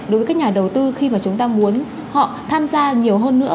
đối với các nhà đầu tư khi mà chúng ta muốn họ tham gia nhiều hơn nữa